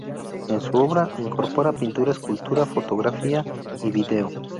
En su obra incorpora pintura, escultura, fotografía y vídeo.